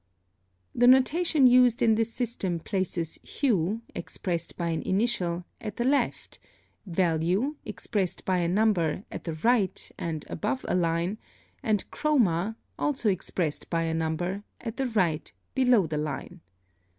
+ (40) The notation used in this system places Hue (expressed by an initial) at the left; Value (expressed by a number) at the right and above a line; and Chroma (also expressed by a number) at the right, below the line.